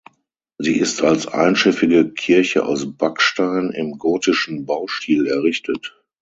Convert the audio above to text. Sie ist als einschiffige Kirche aus Backstein im gotischen Baustil errichtet.